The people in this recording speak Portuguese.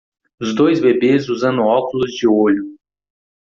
os dois bebês usando óculos de olho